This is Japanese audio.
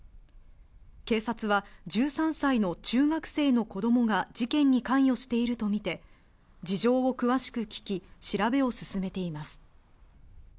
警察は１３歳の中学生の子供が事件に関与しているとみて、事情を詳しく聞き、調べを進めています。